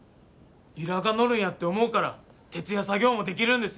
由良が乗るんやって思うから徹夜作業もできるんですよ。